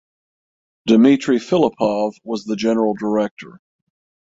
Dmitry Filippov was the general director.